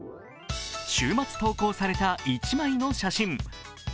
週末投稿された一枚の写真。